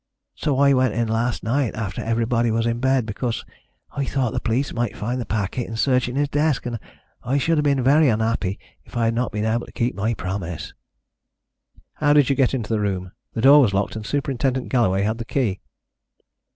So I went in last night, after everybody was in bed, because I thought the police might find the packet in searching his desk, and I should have been very unhappy if I had not been able to keep my promise." "How did you get into the room? The door was locked, and Superintendent Galloway had the key."